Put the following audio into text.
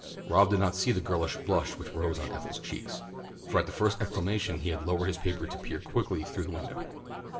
Rob did not see the girlish blush which rose to Ethel's cheeks, for at the first exclamation he had lowered his paper to peer quickly through the window.